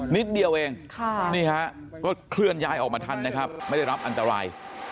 นิดเดียวเองนี่ฮะก็เคลื่อนย้ายออกมาทันนะครับไม่ได้รับอันตราย